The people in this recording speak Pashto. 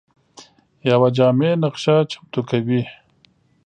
یوه جامع نقشه چمتو کوي.